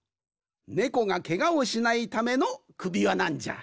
ネコがけがをしないためのくびわなんじゃ。